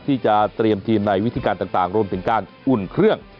ที่จะเตรียมทีมในวิธีการต่างรวมถึงการอุ่นเครื่อง